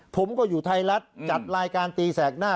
ผมก็อยู่ไทยรัฐจัดรายการตีแสกหน้า